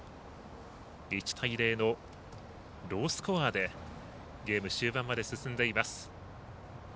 １対０のロースコアでゲーム終盤まで進んでいます。